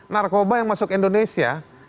narkoba yang masuk indonesia